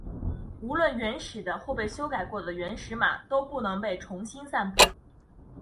无论原始的或修改过的原始码都不能被重新散布。